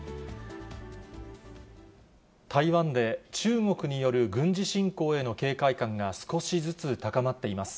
台湾で中国による軍事侵攻への警戒感が少しずつ高まっています。